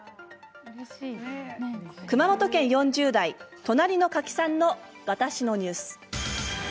熊本県４０代、隣の柿さんの「わたしのニュース」。